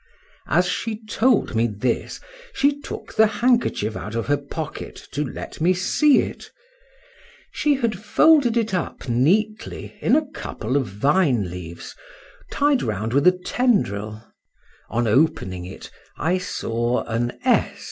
As she told me this, she took the handkerchief out of her pocket to let me see it; she had folded it up neatly in a couple of vine leaves, tied round with a tendril;—on opening it, I saw an S.